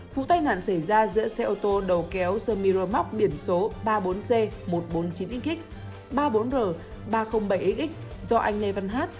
vụ tai nạn xảy ra giữa xe ô tô đầu kéo semi rơm mắc biển số ba mươi bốn c một trăm bốn mươi chín x ba mươi bốn r ba trăm linh bảy x do anh lê văn hát